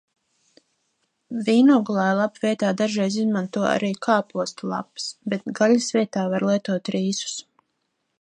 Vīnogulāju lapu vietā dažreiz izmanto arī kāpostu lapas, bet gaļas vietā var lietot rīsus.